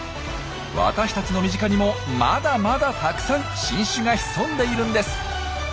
私たちの身近にもまだまだたくさん新種が潜んでいるんです。